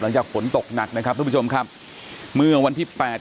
หลังจากฝนตกหนักนะครับทุกผู้ชมครับเมื่อวันที่แปด